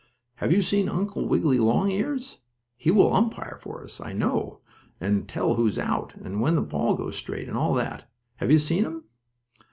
Have you seen Uncle Wiggily Longears? He will umpire for us, I know, and tell who's out, and when the balls go straight, and all that. Have you seen him?"